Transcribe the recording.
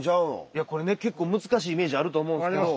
いやこれね結構難しいイメージあると思うんですけど。